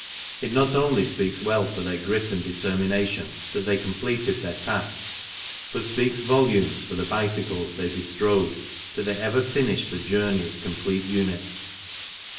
It not only speaks well for their grit and determination that they completed their tasks, but speaks volumes for the bicycles they bestrode that they ever finished the journey as complete units.